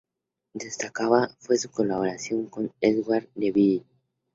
Destacada fue su colaboración con Edgar Neville.